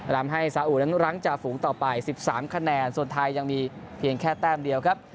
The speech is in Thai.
ทำให้สาอุนั้นรั้งจ่าฝูงต่อไป๑๓คะแนนส่วนไทยยังมีเพียงแค่แต้มเดียวครับ